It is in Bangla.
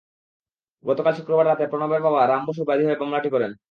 গতকাল শুক্রবার রাতে প্রণবের বাবা রাম বসু বাদী হয়ে মামলাটি করেন।